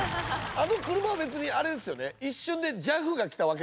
あの車は別にあれですよね？